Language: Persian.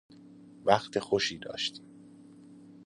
وقت خوشی داشتیم